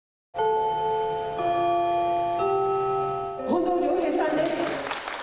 近藤良平さんです。